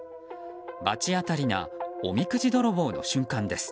罰当たりなおみくじ泥棒の瞬間です。